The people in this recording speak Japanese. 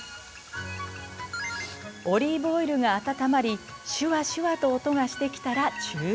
オリーブオイルが温まりシュワシュワと音がしてきたら中火に。